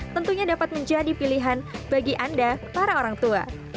tentunya dapat menjadi pilihan bagi anda para orang tua